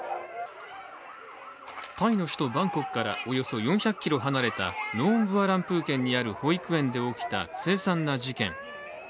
タイの首都バンコクから、およそ４００ｋｍ離れたノーンブアランプー県にある保育園で起きた凄惨な事件。